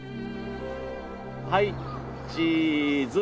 はいチーズ。